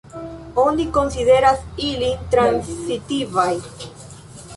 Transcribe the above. Oni konsideras ilin transitivaj.